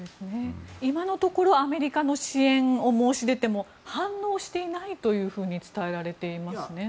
今のところアメリカの支援を申し出ても反応していないと伝えられていますね。